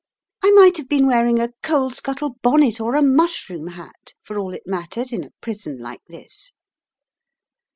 I might have been wearing a coal scuttle bonnet or a mushroom hat for all it mattered in a prison like this.